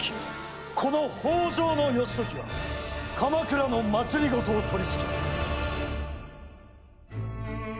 この北条義時が鎌倉の政を取りしきる。